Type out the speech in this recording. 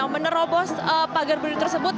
menerobos pagar buruh tersebut